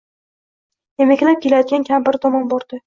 Emaklab kelayotgan kampiri tomon bordi